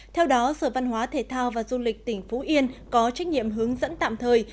theo đó sở văn hóa thể thao và du lịch tỉnh phú yên có trách nhiệm hướng dẫn tạm thời